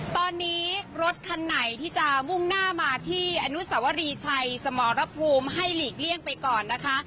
ตอนนี้รถคันไหนที่จะมุ่งหน้ามาที่อนุสวรีชัยสมรภูมิให้หลีกเลี่ยงไปก่อนนะคะ